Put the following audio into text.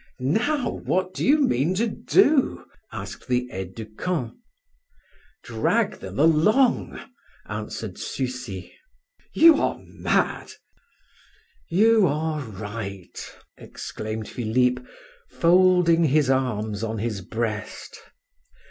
"Now, what do you mean to do?" asked the aide de camp. "Drag them along!" answered Sucy. "You are mad!" "You are right!" exclaimed Philip, folding his arms on his breast.